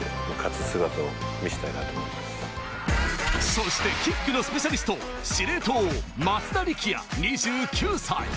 そしてキックのスペシャリスト、司令塔・松田力也、２９歳。